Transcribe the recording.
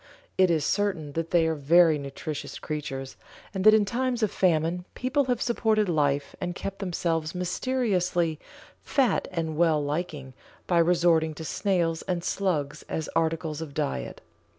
It is certain that they are very nutritious creatures, and that in times of famine people have supported life and kept themselves mysteriously "fat and well liking" by resorting to snails and slugs as articles of diet.